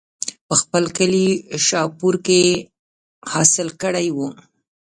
پۀ خپل کلي شاهپور کښې حاصل کړے وو